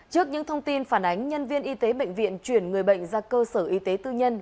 trước những thông tin phản ánh nhân viên y tế bệnh viện chuyển người bệnh ra cơ sở y tế tư nhân